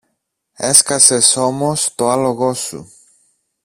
Έσκασες όμως το άλογο σου.